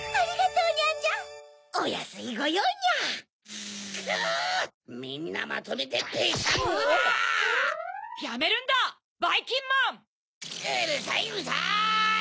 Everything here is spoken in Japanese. うるさいうるさい！